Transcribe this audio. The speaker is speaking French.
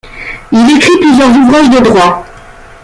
Il écrit plusieurs ouvrages de droit.